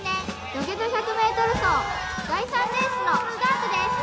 土下座１００ｍ走第３レースのスタートです